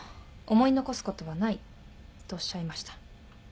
思い残すことはないとおっしゃいました。